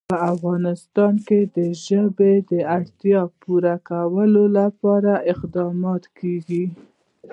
په افغانستان کې د ژبې د اړتیاوو پوره کولو لپاره اقدامات کېږي.